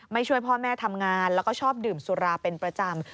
ช่วยพ่อแม่ทำงานแล้วก็ชอบดื่มสุราเป็นประจำ